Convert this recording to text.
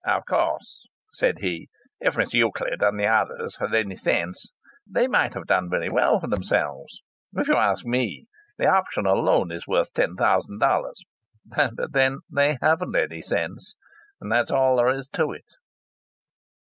"Of course," said he, "if Miss Euclid and the others had had any sense they might have done very well for themselves. If you ask me, the option alone is worth ten thousand dollars. But then they haven't any sense! And that's all there is to it."